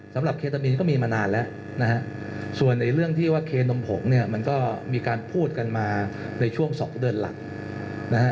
เคตามีนก็มีมานานแล้วนะฮะส่วนเรื่องที่ว่าเคนมผงเนี่ยมันก็มีการพูดกันมาในช่วง๒เดือนหลักนะฮะ